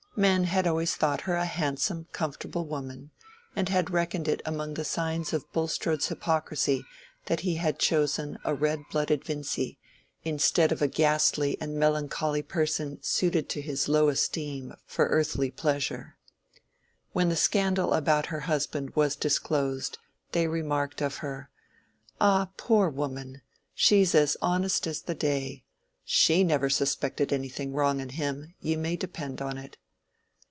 Men had always thought her a handsome comfortable woman, and had reckoned it among the signs of Bulstrode's hypocrisy that he had chosen a red blooded Vincy, instead of a ghastly and melancholy person suited to his low esteem for earthly pleasure. When the scandal about her husband was disclosed they remarked of her—"Ah, poor woman! She's as honest as the day—she never suspected anything wrong in him, you may depend on it."